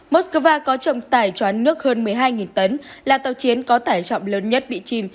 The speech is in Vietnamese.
moskva có trọng tài trói nước hơn một mươi hai tấn là tàu chiến có tài trọng lớn nhất bị chìm